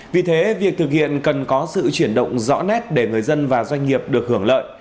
vì thế việc thực hiện cần có sự chuyển động rõ nét để người dân và doanh nghiệp được hưởng lợi